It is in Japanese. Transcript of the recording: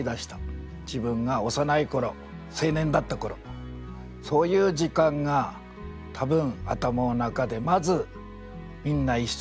自分が幼い頃青年だった頃そういう時間が多分頭の中でまずみんな一緒になった。